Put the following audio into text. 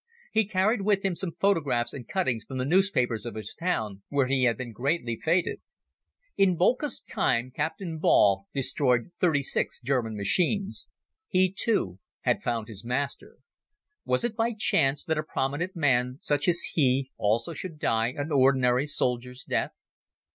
He carried with him some photographs and cuttings from the newspapers of his town where he had been greatly feted. In Boelcke's time Captain Ball destroyed thirty six German machines. He, too, had found his master. Was it by chance that a prominent man such as he also should die an ordinary soldier's death?